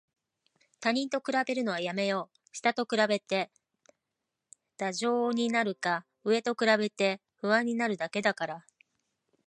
他人と比べるのはやめよう。下と比べて怠惰になるか、上と比べて不安になるだけだから。